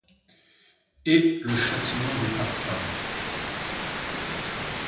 Est le châtiment du parfum.